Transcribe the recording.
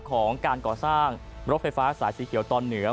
ของการก่อสร้างรถไฟฟ้าสายสีเขียวตอนเหนือ